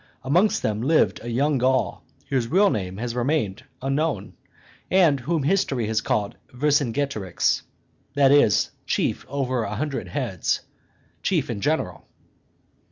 Amongst them lived a young Gaul whose real name has remained unknown, and whom history has called Vercingetorix, that is, chief over a hundred heads, chief in general.